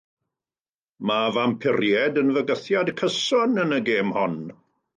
Mae fampiriaid yn fygythiad cyson yn y gêm hon.